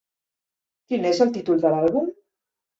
Quin és el títol de l'àlbum?